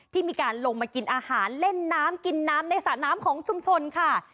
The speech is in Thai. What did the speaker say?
ที่มีการลงมากินอาหารเล่นน้ำกินน้ำในสระน้ำของชุมชนค่ะ